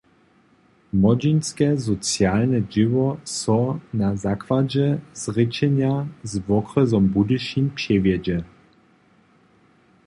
Młodźinske socialne dźěło so na zakładźe zrěčenja z wokrjesom Budyšin přewjedźe.